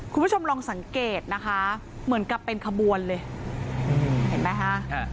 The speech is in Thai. คุณผู้ชมลองสังเกตนะคะเหมือนกับเป็นขบวนเลยเห็นไหมฮะ